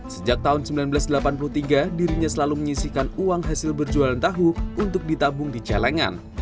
sejak tahun seribu sembilan ratus delapan puluh tiga dirinya selalu menyisikan uang hasil berjualan tahu untuk ditabung di celengan